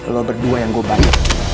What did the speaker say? lo berdua yang gue bangun